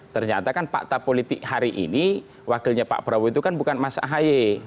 ternyata kan fakta politik hari ini wakilnya pak prabowo itu kan bukan mas ahy